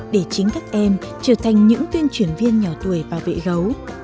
để chính các em trở thành những tuyên truyền viên nhỏ tuổi bảo vệ gấu